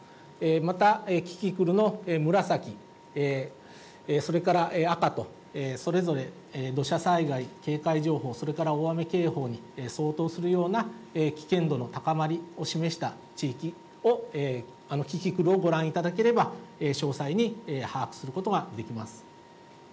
また、キキクルの紫、それから赤と、それぞれ土砂災害警戒情報、それから大雨警報に相当するような危険度の高まりを示した地域をキキクルをご覧いただければ、詳細に把握することができます。